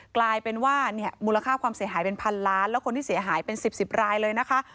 กลายเป็นว่าเนี่ยมูลค่าความเสียหายเป็นพันล้านแล้วคนที่เสียหายเป็น๑๐รายเลยนะคะ